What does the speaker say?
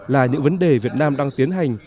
là những vấn đề việt nam đang tiến hành